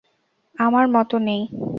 আমার মত নেই।